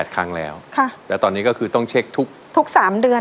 ครั้งแล้วแล้วตอนนี้ก็คือต้องเช็คทุก๓เดือน